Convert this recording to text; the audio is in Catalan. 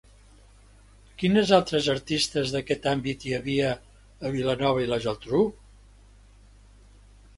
Quines altres artistes d'aquest àmbit hi havia a Vilanova i la Geltrú?